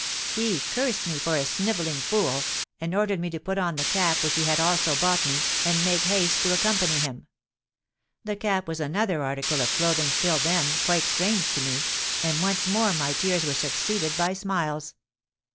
He cursed me for a 'snivelling fool,' and ordered me to put on the cap which he had also bought me, and make haste to accompany him. The cap was another article of clothing till then quite strange to me; and once more my tears were succeeded by smiles!